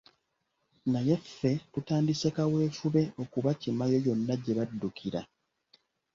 Naye ffe tutandise kaweefube okubakimayo yonna gye baddukira.